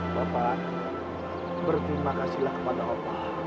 bapak berterima kasihlah kepada allah